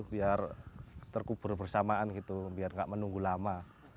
biar terkubur bersamaan gitu biar nggak menunggu lama